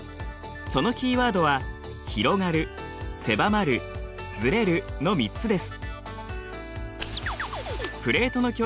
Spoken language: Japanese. そのキーワードは「広がる」「狭まる」「ずれる」の３つです。